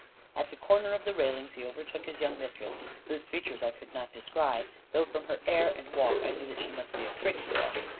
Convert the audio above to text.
At the corner of the railings he overtook his young Mistress, whose features I could not descry; though from her air and walk I knew that she must be a pretty girl.